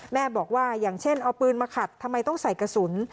แม่บอกว่าอย่างเช่นเอาปืนมาขัดทำไมต้องใส่กระสุน